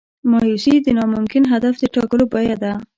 مایوسي د ناممکن هدف د ټاکلو بیه ده.